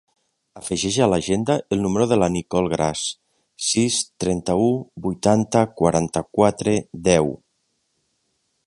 Afegeix a l'agenda el número de la Nicole Gras: sis, trenta-u, vuitanta, quaranta-quatre, deu.